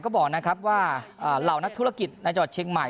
ก็บอกนะครับว่าเอ่อเหล่านักธุรกิจเนเจมส์บัตรเชียงใหม่